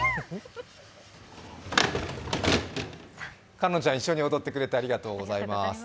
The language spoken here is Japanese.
かのんちゃん、一緒に踊ってくれてありがとうございます。